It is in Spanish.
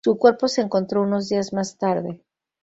Su cuerpo se encontró unos días más tarde.